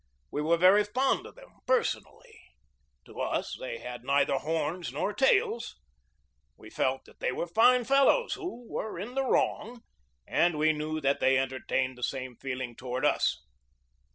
We were very fond of them personally. To us they had neither horns nor tails. We felt that they were fine fellows who were in the wrong, and we knew that they entertained the same feeling toward us.